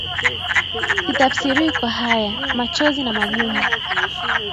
Sitafsiriwi kwa haya, machozi na magumu